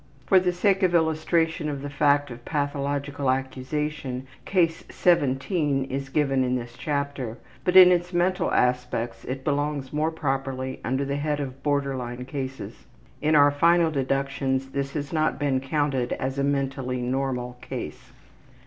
For the sake of illustration of the fact of pathological accusation Case 17 is given in this chapter, but in its mental aspects it belongs more properly under the head of border line cases. In our final deductions this has not been counted as a mentally normal case.